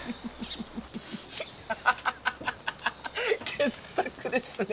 傑作ですね。